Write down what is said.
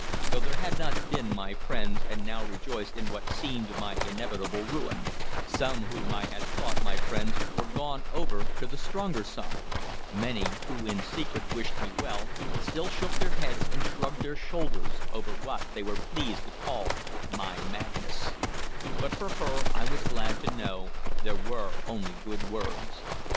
Some there had not been my friends, and now rejoiced in what seemed my inevitable ruin; some whom I had thought my friends were gone over to the stronger side; many who in secret wished me well still shook their heads and shrugged their shoulders over what they were pleased to call my madness; but for her, I was glad to know, there were only good words.